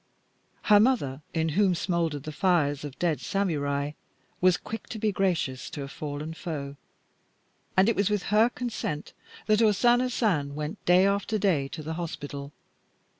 Her mother, in whom smoldered the fires of dead samurai, was quick to be gracious to a fallen foe, and it was with her consent that O Sana San went day after day to the hospital.